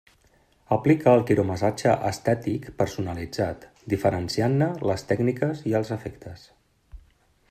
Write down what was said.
Aplica el quiromassatge estètic personalitzat diferenciant-ne les tècniques i els efectes.